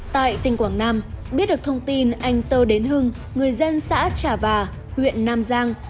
tại tỉnh quảng nam biết được thông tin anh tơ đến hưng người dân xã trà và huyện nam giang